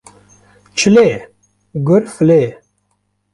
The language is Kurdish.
Çile ye, gur file ye